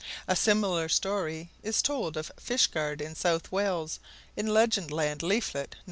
A similar story is told of Fishguard in South Wales in Legend Land Leaflet No.